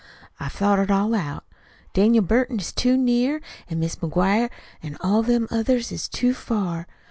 I've thought it all out. Daniel Burton is too near, an' Mis' McGuire an' all them others is too far.